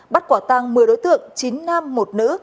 bắt quả tăng một mươi đối tượng chín nam một nữ